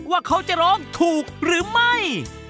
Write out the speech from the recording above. ว่าเขาจะร้องถูกหรือไม่